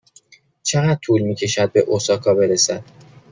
چقدر طول می کشد به اوساکا برسد؟